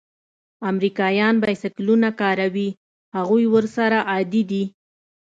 امریکایان بایسکلونه کاروي؟ هغوی ورسره عادي دي.